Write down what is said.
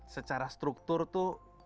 secara struktur itu